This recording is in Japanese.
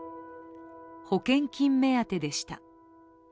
保険金目当てでした。